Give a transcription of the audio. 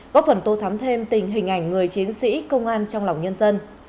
góp phần tô thắm thêm tình hình ảnh người chiến sĩ công an trong lòng nhân dân